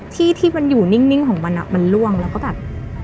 ที่ที่มันอยู่นิ่งของมันมันล่วงแล้วก็แบบ